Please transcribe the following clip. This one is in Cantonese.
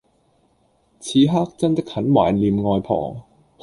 此刻真的很懷念外婆